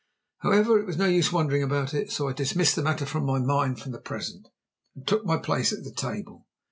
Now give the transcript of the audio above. However, it was no use wondering about it, so I dismissed the matter from my mind for the present, and took my place at the table.